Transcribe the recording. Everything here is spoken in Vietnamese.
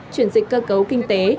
chuyển dịch cơ cấu kinh tế